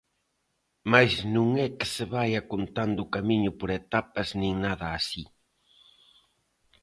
Mais non é que se vaia contando o Camiño por etapas nin nada así.